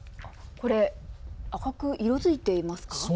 これ、赤く色づいていますか。